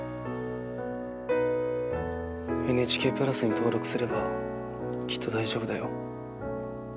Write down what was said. ＮＨＫプラスに登録すればきっと大丈夫だよ。